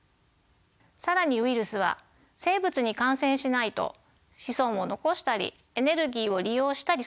更にウイルスは生物に感染しないと子孫を残したりエネルギーを利用したりすることもできません。